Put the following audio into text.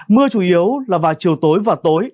mưa chủ yếu là vào chiều tối và tối